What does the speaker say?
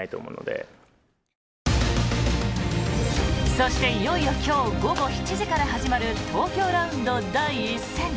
そして、いよいよ今日午後７時から始まる東京ラウンド第１戦。